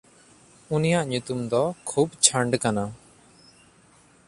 ᱩᱱᱤᱭᱟᱜ ᱧᱩᱛᱩᱢ ᱫᱚ ᱠᱷᱩᱵᱪᱷᱟᱱᱰ ᱠᱟᱱᱟ᱾